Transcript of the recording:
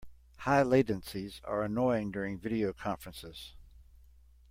High latencies are annoying during video conferences.